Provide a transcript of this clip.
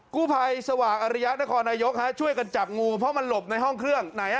กูภัยสวะอริยารข่อนายกช่วยกันจับงูเพราะมันหลบในห้องเครื่อง